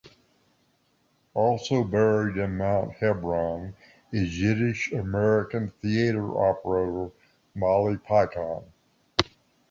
Also buried in Mount Hebron is Yiddish-American theatre operator Molly Picon.